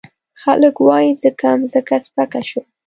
خلګ وايي ځکه مځکه سپکه شوه.